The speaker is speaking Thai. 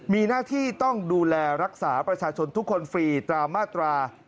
มีหน้าที่ต้องดูแลรักษาประชาชนทุกคนฟรีตามมาตรา